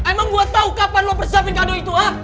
emang gua tau kapan lu persiapin kado itu